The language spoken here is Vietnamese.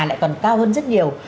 lại còn cao hơn rất nhiều